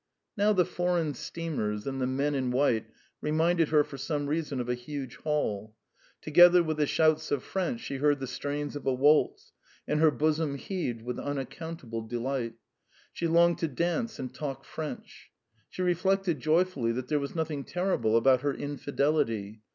... Now the foreign steamers and the men in white reminded her for some reason of a huge hall; together with the shouts of French she heard the strains of a waltz, and her bosom heaved with unaccountable delight. She longed to dance and talk French. She reflected joyfully that there was nothing terrible about her infidelity.